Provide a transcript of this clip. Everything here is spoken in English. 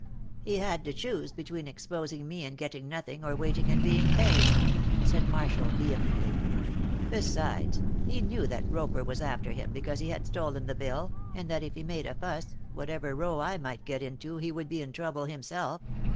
"He had to choose between exposing me and getting nothing or waiting and being paid," said Marshall, vehemently. "Besides, he knew that Roper was after him because he had stolen the bill, and that if he made a fuss, whatever row I might get into, he would be in trouble himself.